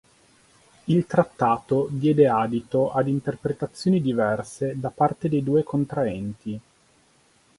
Il trattato diede adito ad interpretazioni diverse da parte dei due contraenti.